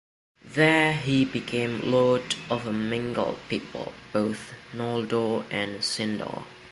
There he became lord of a mingled people, both Noldor and Sindar.